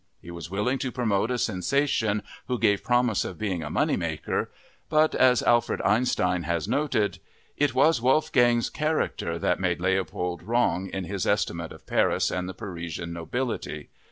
He was willing to promote a sensation who gave promise of being a money maker. But, as Alfred Einstein has noted, "_It was Wolfgang's character that made Leopold wrong in his estimate of Paris and the Parisian nobility.